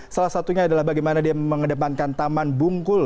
salah satunya adalah bagaimana dia mengedepankan taman bungkul